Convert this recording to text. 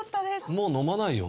もう飲まないよ？